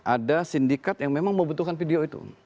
ada sindikat yang memang membutuhkan video itu